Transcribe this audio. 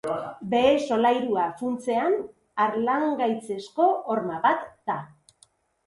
Behe-solairua, funtsean, harlangaitzezko horma bat da.